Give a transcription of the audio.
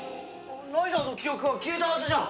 ライダーの記憶は消えたはずじゃ！？